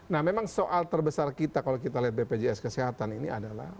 nah memang soal terbesar kita kalau kita lihat bpjs kesehatan ini adalah